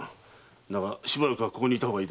だがしばらくここにいた方がいいだろう。